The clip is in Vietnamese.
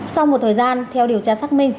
sau một thời gian theo điều tra xác minh